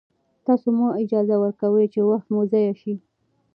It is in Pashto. تاسو مه اجازه ورکوئ چې وخت مو ضایع شي.